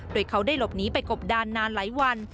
โดยเขาได้หลบหนีไปกบดานนานหลายวัน